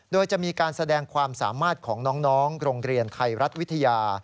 โดยจะมีการแสดงความสามารถของน้องโรงเรียนไทยรัฐวิทยา